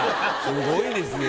すごいですよ。